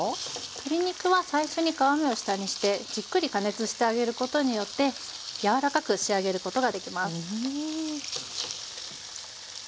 鶏肉は最初に皮目を下にしてじっくり加熱してあげることによって柔らかく仕上げることができます。